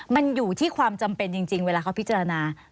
มันอยู่ที่ความจำเป็นจริงเวลาเขาพิจารณา